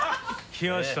きました。